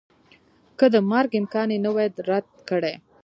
که د مرګ امکان یې نه وای رد کړی